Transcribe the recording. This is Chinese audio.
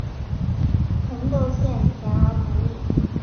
红豆馅甜而不腻